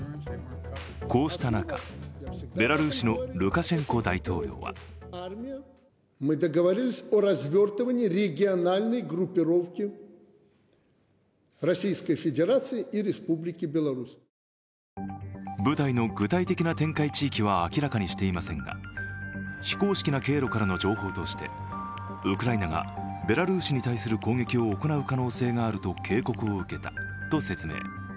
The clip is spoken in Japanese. こうした中、ベラルーシのルカシェンコ大統領は部隊の具体的な展開地域は明らかにしていませんが非公式な経路からの情報としてウクライナがベラルーシに対する攻撃を攻撃を行う可能性があると警告を受けたと説明。